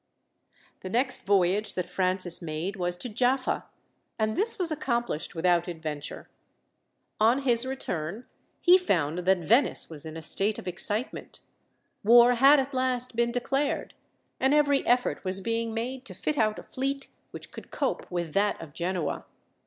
The next voyage that Francis made was to Jaffa, and this was accomplished without adventure. On his return, he found that Venice was in a state of excitement war had at last been declared, and every effort was being made to fit out a fleet which could cope with that of Genoa.